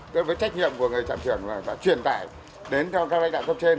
đối với trách nhiệm của người trạm trưởng là đã truyền tải đến cho các lãnh đạo cấp trên